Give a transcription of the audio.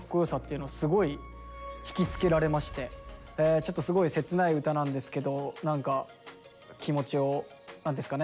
ちょっとすごい切ない歌なんですけど何か気持ちを何ですかね。